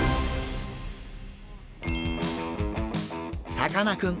さかなクン